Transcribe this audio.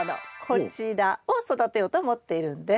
こちらを育てようと思っているんです。